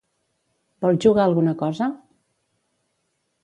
Vols jugar a alguna cosa?